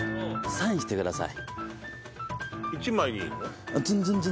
サインしてください。